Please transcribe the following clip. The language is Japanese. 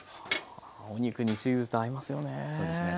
お肉にチーズって合いますよね。